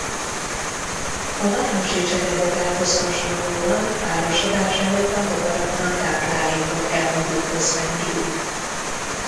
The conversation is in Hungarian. A májusi cserebogárhoz hasonlóan párosodás előtt a bogaraknak táplálékot kell magukhoz venniük.